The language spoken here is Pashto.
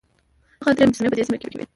دغه درې مجسمې په دې سیمه کې وې.